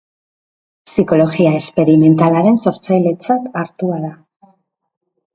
Psikologia esperimentalaren sortzailetzat hartua da.